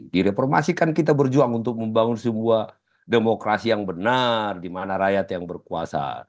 di reformasikan kita berjuang untuk membangun sebuah demokrasi yang benar di mana rakyat yang berkuasa